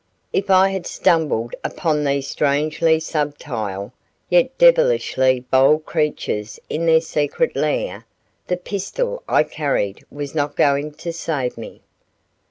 If I had stumbled upon these strangely subtile, yet devilishly bold creatures in their secret lair, the pistol I carried was not going to save me.